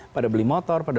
pada beli motor